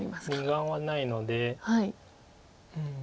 ２眼はないので。